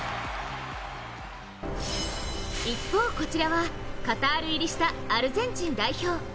一方、こちらはカタール入りしたアルゼンチン代表。